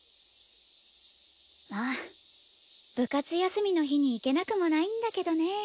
まあ部活休みの日に行けなくもないんだけどね。